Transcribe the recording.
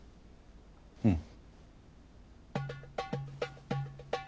うん。